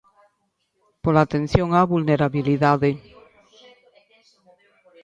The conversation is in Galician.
Pola atención á vulnerabilidade.